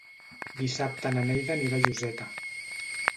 Dissabte na Neida anirà a Lloseta.